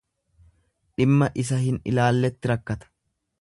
Dhimma isa hin ilaalletti rakkata.